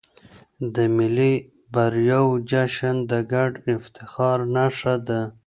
د ملي بریاوو جشن د ګډ افتخار نښه ده.